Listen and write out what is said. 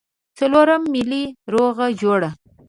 څلورم ملي روغه جوړه.